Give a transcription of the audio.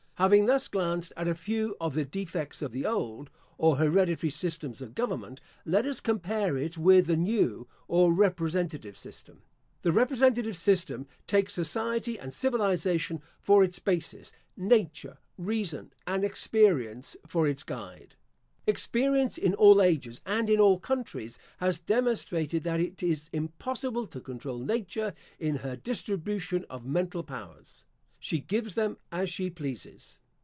Having thus glanced at a few of the defects of the old, or hereditary systems of government, let us compare it with the new, or representative system. The representative system takes society and civilisation for its basis; nature, reason, and experience, for its guide. Experience, in all ages, and in all countries, has demonstrated that it is impossible to control Nature in her distribution of mental powers. She gives them as she pleases.